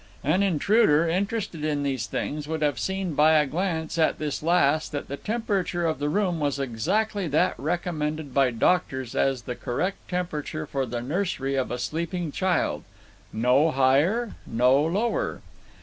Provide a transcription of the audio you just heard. An intruder, interested in these things, would have seen by a glance at this last that the temperature of the room was exactly that recommended by doctors as the correct temperature for the nursery of a sleeping child; no higher, no lower.